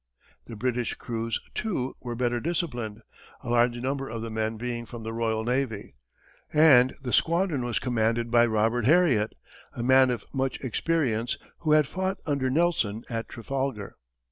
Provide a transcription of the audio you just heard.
The British crews, too, were better disciplined, a large number of the men being from the royal navy, and the squadron was commanded by Robert Heriot, a man of much experience, who had fought under Nelson at Trafalgar.